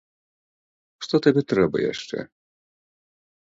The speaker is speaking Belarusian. Што табе трэба яшчэ?